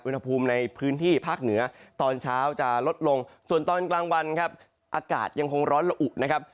อุณหภูมิในพื้นที่ภาคเหนือตอนเช้าจะลดลงส่วนตอนกลางวันครับอากาศยังคงร้อนละอุนะครับ